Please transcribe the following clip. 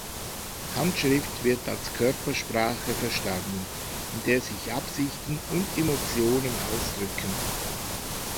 Handschrift wird als Körpersprache verstanden, in der sich Absichten und Emotionen ausdrücken.